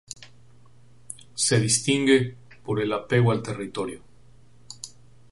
Se distingue por el apego al territorio.